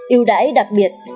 yêu đáy đặc biệt